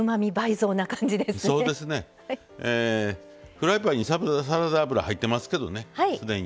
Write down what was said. フライパンにサラダ油入ってますけどねすでに。